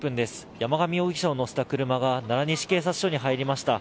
山上容疑者を乗せた車が奈良西警察署に入りました。